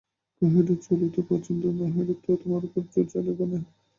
কহিল, চলো তো, পছন্দ না হইলে তো তোমার উপর জোর চলিবে না।